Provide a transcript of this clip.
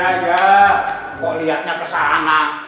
kok liatnya kesana